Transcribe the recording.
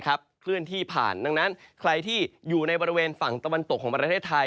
เคลื่อนที่ผ่านดังนั้นใครที่อยู่ในบริเวณฝั่งตะวันตกของประเทศไทย